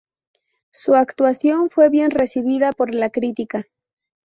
Su actuación fue bien recibida por la crítica.